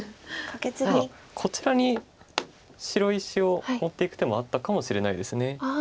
こちらに白石を持っていく手もあったかもしれないです。